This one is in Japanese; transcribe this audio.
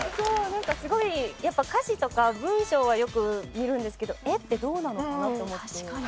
すごいやっぱ歌詞とか文章はよく見るんですけど絵ってどうなのかなと思って。